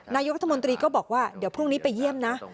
นายกรัฐมนตรีก็บอกว่าเดี๋ยวพรุ่งนี้ไปเยี่ยมนะ